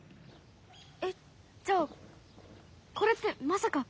えっじゃあこれってまさか。